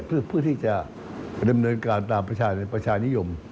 เริ่มเนินการตามประชานิยม